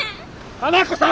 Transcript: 花子さん！